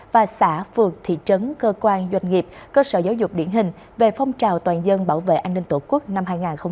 và xã phường thị trấn cơ quan doanh nghiệp cơ sở giáo dục điển hình về phong trào toàn dân bảo vệ an ninh tổ quốc năm hai nghìn hai mươi bốn